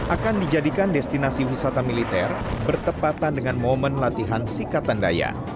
akan dijadikan destinasi wisata militer bertepatan dengan momen latihan sikatandaya